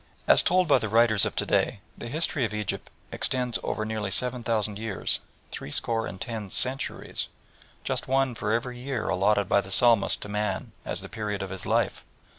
As told by the writers of to day, the history of Egypt extends over nearly seven thousand years three score and ten centuries just one for every year allotted by the Psalmist to man as the period of his life.